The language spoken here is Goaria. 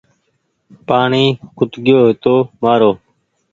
پآڻيٚ کٽگيو هيتومآرو